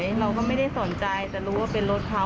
เราก็ไม่ได้สนใจแต่รู้ว่าเป็นรถเขา